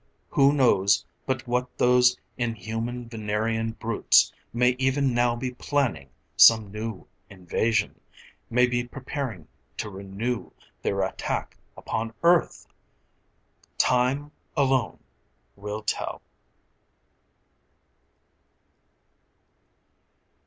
Who knows but what those inhuman Venerian brutes may even now be planning some new invasion, may be preparing to renew their attack upon Earth? Time alone will tell.